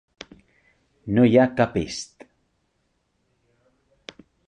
No hi ha cap est.